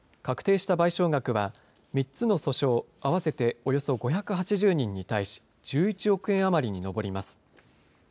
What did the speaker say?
確定した賠償額は、３つの訴訟合わせておよそ５８０人に対し、１１億円余りに上ります。